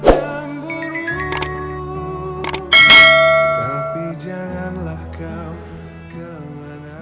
tapi janganlah kau naar awhile